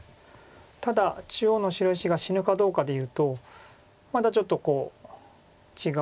ただ中央の白石が死ぬかどうかでいうとまだちょっと違う。